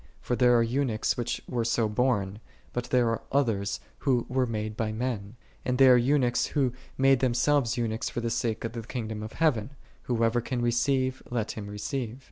For there are eunuchs who were so born: but there are others who were made by men: and there are eunuchs, who made themselves eunuchs for the sake of the kingdom of heaven: whoso can receive, let him receive.